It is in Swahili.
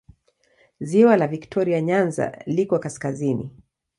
Ziwa la Viktoria Nyanza liko kaskazini.